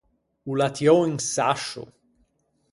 O l’à tiou un sascio.